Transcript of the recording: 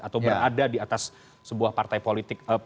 atau berada di atas sebuah partai politik